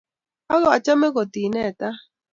Ak achame kot ineta